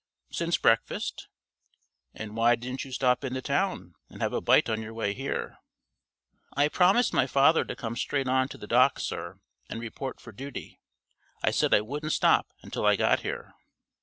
"Since breakfast." "And why didn't you stop in the town and have a bite on your way here?" "I promised my father to come straight on to the docks, sir, and report for duty. I said I wouldn't stop until I got here."